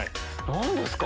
何ですか？